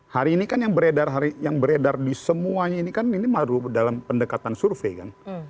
hari ini kan yang beredar di semuanya ini kan ini baru dalam pendekatan survei kan